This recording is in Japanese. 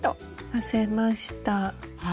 刺せました。